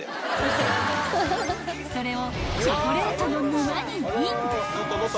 ［それをチョコレートの沼にイン］